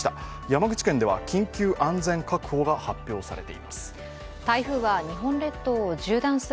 山口県では緊急安全確保が発表されています。